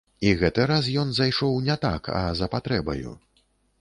І гэты раз ён зайшоў не так, а за патрэбаю.